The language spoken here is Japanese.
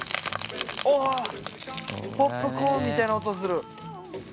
わっポップコーンみたいな音する。